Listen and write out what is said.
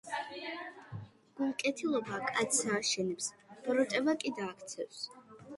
გულკეთილობა კაცს ააშენებს, ბოროტება კი დააქცევს.